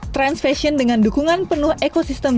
trans fashion dengan dukungan penuh ekosistem